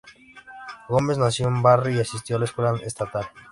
Gómez nació en Barry y asistió a la escuela estatal.